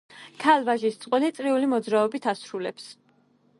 ქალ-ვაჟის წყვილი წრიული მოძრაობით ასრულებს.